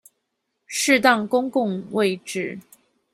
適當公共位置